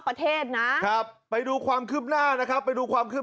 ประเทศนะครับไปดูความคืบหน้านะครับไปดูความคืบ